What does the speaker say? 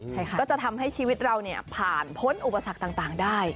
ใช่ค่ะก็จะทำให้ชีวิตเราเนี่ยผ่านพ้นอุปสรรคต่างได้